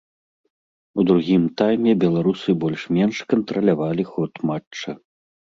У другім тайме беларусы больш-менш кантралявалі ход матча.